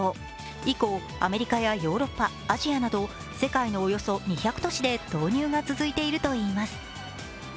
以降、アメリカやヨーロッパ、アジアなど世界のおよそ２００都市で導入が続いているといいます。